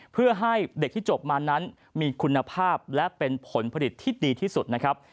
เพื่อให้เด็กที่จบมานั้นมีคุณภาพและเป็นผลผลิตที่ดีที่สุดนะครับ